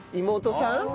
妹さん？